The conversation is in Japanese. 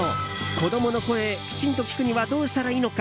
子供の声、きちんと聞くにはどうしたらいいのか？